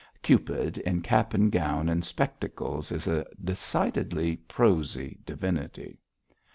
Cupid in cap and gown and spectacles is a decidedly prosy divinity.